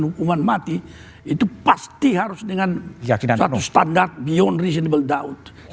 hukuman mati itu pasti harus dengan satu standar beyond reasonable dout